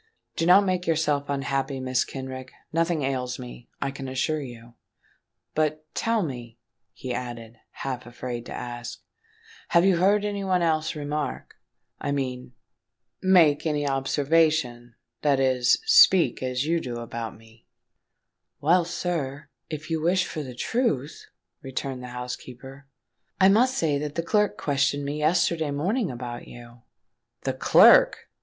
"Do not make yourself unhappy, Mrs. Kenrick: nothing ails me, I can assure you. But—tell me," he added, half afraid to ask the question; "have you heard any one else remark—I mean, make any observation—that is, speak as you do about me——" "Well, sir, if you wish for the truth," returned the housekeeper, "I must say that the clerk questioned me yesterday morning about you." "The clerk!"